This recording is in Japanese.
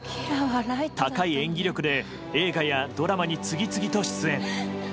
高い演技力で映画やドラマに次々と出演。